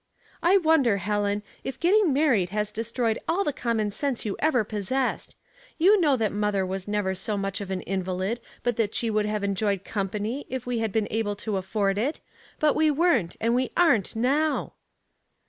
''• I wonder, Helen, if getting married has destroyed all the common sense you ever pos sessed. You know that mother was never so much of an invalid but that she would have enjoyed company if we had been able to afford it, but we weren't, and we aren't now."